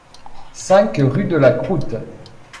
cinq rue de la Croûte